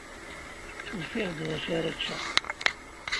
Ufiɣ-d d acu ara ččeɣ.